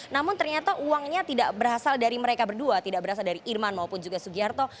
namun ternyata uangnya tidak berasal dari mereka berdua tidak berasal dari irman maupun juga sugiharto